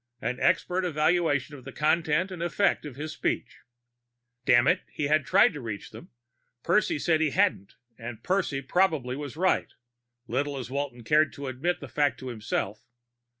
An expert evaluation of the content and effect of his speech. Dammit, he had tried to reach them. Percy said he hadn't, and Percy probably was right, little as Walton cared to admit the fact to himself.